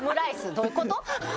どういうこと？